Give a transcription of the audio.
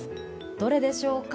どれでしょうか？